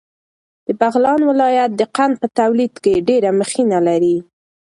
د بغلان ولایت د قند په تولید کې ډېره مخینه لري.